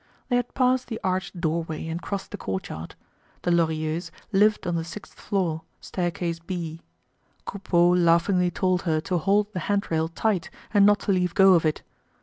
They had passed the arched doorway and crossed the courtyard. The Lorilleuxs lived on the sixth floor, staircase B. Coupeau laughingly told her to hold the hand rail tight and not to leave go of it.